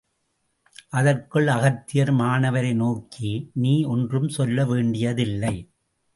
அதற்குள் அகத்தியர், மாணவரை நோக்கி, நீ ஒன்றும் சொல்ல வேண்டியதில்லை.